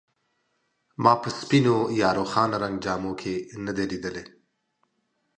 ما په سپینو یا روښانه رنګ جامو کې نه دی لیدلی.